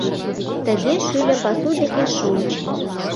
Тыге шӱльӧ пасу деке шуыч.